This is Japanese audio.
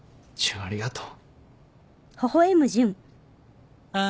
あっありがとう。